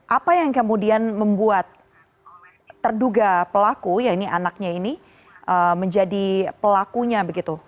apa yang kemudian membuat terduga pelaku ya ini anaknya ini menjadi pelakunya begitu